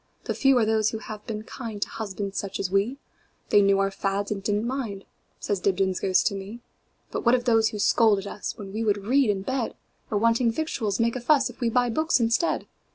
The few are those who have been kindTo husbands such as we; They knew our fads, and did n't mind,"Says Dibdin's ghost to me."But what of those who scold at usWhen we would read in bed? Or, wanting victuals, make a fussIf we buy books instead?